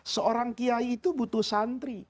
seorang kiai itu butuh santri